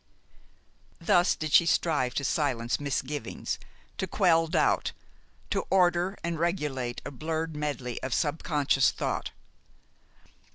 Thus did she strive to silence misgivings, to quell doubt, to order and regulate a blurred medley of subconscious thought.